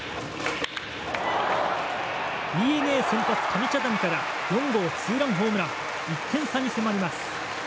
ＤｅＮＡ先発、上茶谷から４号ツーランホームラン１点差に迫ります。